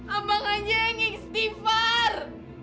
abang aja yang istighfar